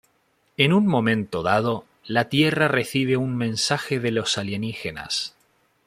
En un momento dado la Tierra recibe un mensaje de los alienígenas.